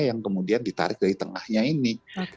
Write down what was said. yang kemudian ditarik dari tengahnya ini